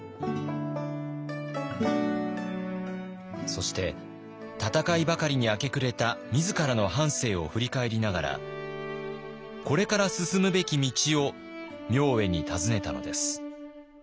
そして戦いばかりに明け暮れた自らの半生を振り返りながらこれから進むべき道を明恵に尋ねたのです。